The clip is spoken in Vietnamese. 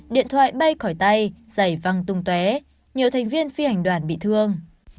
điện thoại bay khỏi tay giày văng tung tué nhiều thành viên phi hành đoàn bị thương